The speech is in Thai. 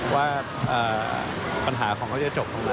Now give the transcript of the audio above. ว่าปัญหาของเขาจะจบของเรา